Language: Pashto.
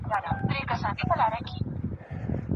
د مور پاملرنه د ماشوم ژوند خوندي کوي.